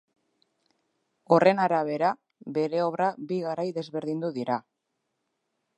Horren arabera, bere obra bi garai desberdindu dira.